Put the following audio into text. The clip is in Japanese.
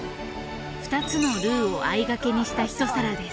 ２つのルーをあいがけにした１皿です。